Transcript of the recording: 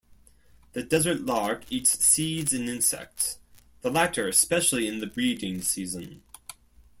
The desert lark eats seeds and insects, the latter especially in the breeding season.